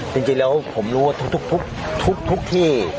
จริงแล้วผมรู้ว่าทุกที่